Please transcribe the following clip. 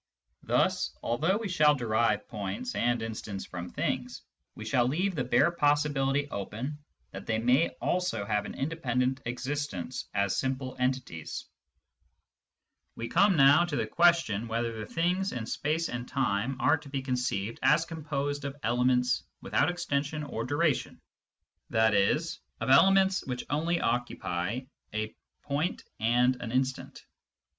Thus, although we shall derive Digitized by Google THE THEORY OF CONTINUITY 147 points and instants from things, we shall leave the bare possibility open that they may also have an independent existence as simple entities. We come now to the question whether the things in space and time are to be conceived as composed of elements without extension or duration, i.e. of elements which only occupy a point and an instant.